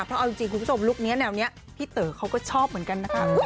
เพราะเอาจริงคุณผู้ชมลุคนี้แนวนี้พี่เต๋อเขาก็ชอบเหมือนกันนะคะ